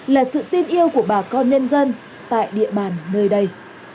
là sự tin yêu của bà con nhân dân tại địa bàn nơi đây